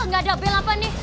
nggak ada bel apa nih